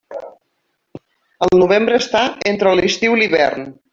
El novembre està estre l'estiu i l'hivern.